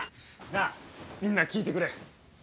なあみんな聞いてくれ。